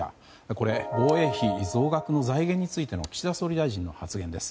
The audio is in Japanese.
これは防衛費増額の財源についての岸田総理大臣の発言です。